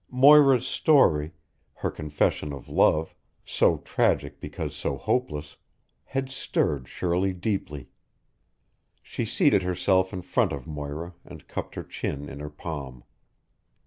Moira's story her confession of love, so tragic because so hopeless had stirred Shirley deeply. She seated herself in front of Moira and cupped her chin in her palm.